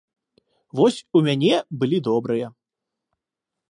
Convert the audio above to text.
Вось у мяне былі добрыя.